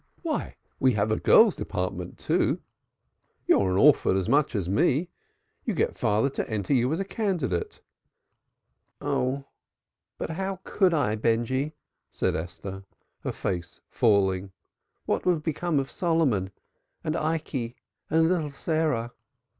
"Why, we have a girls' department, too. You're an orphan as much as me. You get father to enter you as a candidate." "Oh, how could I, Benjy?" said Esther, her face falling. "What would become of Solomon and Ikey and little Sarah?"